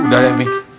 udah ya bi